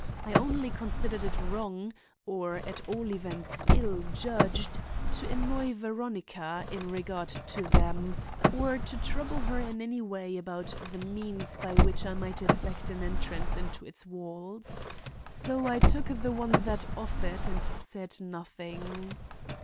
I only considered it wrong, or at all events ill judged, to annoy Veronica, in regard to them, or to trouble her in any way about the means by which I might effect an entrance into its walls. So I took the one that offered and said nothing.